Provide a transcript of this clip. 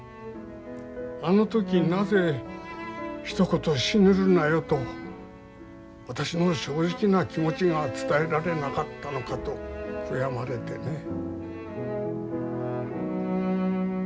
あの時なぜひと言死ぬるなよと私の正直な気持ちが伝えられなかったのかと悔やまれてね。